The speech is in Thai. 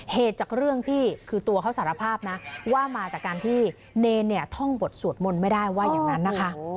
เหตุจากเรื่องที่คือตัวเขาสารภาพนะว่ามาจากการที่เนรเนี่ยท่องบทสวดมนต์ไม่ได้ว่าอย่างนั้นนะคะ